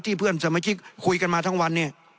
ที่เพื่อนสมาชิกคุยกันมาทั้งวัน